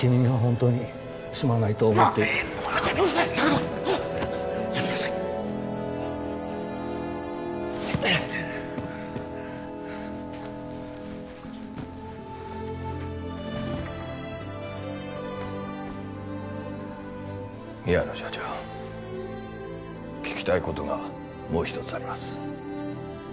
やめなさい宮野社長聞きたいことがもう一つあります